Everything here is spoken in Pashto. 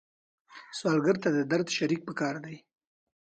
سوالګر ته د درد شریک پکار دی